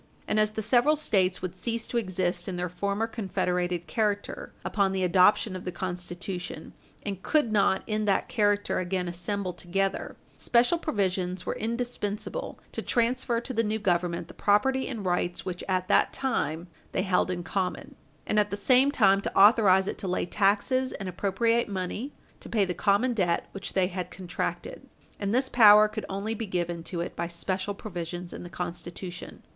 And as the several States would cease to exist in their former confederated character upon the adoption of the Constitution, and could not, in that character, again assemble together, special provisions were indispensable to transfer to the new Government the property and rights which at that time they held in common, and at the same time to authorize it to lay taxes and appropriate money to pay the common debt which they had contracted; and this power could only be given to it by special provisions in the Constitution.